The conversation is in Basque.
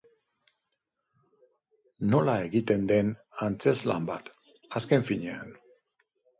Nola egiten den antzezlan bat, azken finean.